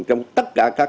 trong tất cả các tổ chức